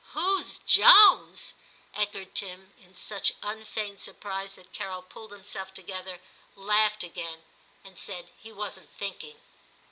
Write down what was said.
* Who's Jones !' echoed Tim in such unfeigned surprise that Carol pulled himself X TIM 227 together, laughed again, and said he wasn't thinking.